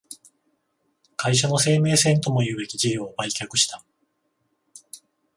会社の生命線ともいうべき事業を売却した